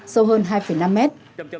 sâu hơn hai năm mét